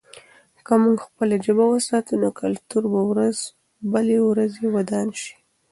که موږ خپله ژبه وساتو، نو کلتور به ورځ بلې ورځې ودان شي.